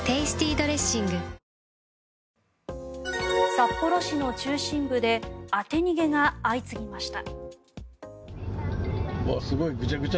札幌市の中心部で当て逃げが相次ぎました。